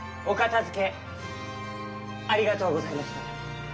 おかたづけありがとうございました。